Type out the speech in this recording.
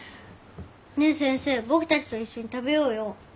ねえ先生僕たちと一緒に食べようよ。